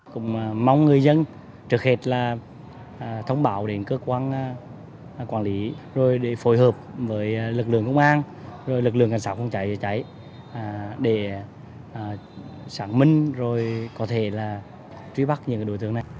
cùng mong người dân trực hệt là thông báo đến cơ quan quản lý rồi để phối hợp với lực lượng công an lực lượng cảnh sát phòng cháy cháy để sản minh rồi có thể là truy bắt những đối tượng này